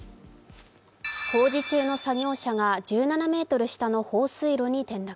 工事中の作業車が１７ｍ下の放水路に転落。